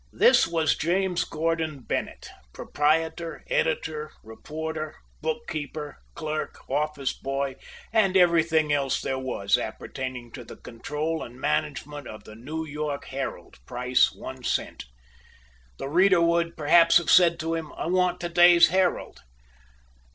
This was James Gordon Bennett, proprietor, editor, reporter, book keeper, clerk, office boy, and everything else there was appertaining to the control and management of the New York "Herald," price one cent. The reader would perhaps have said to him, "I want to day's 'Herald.'"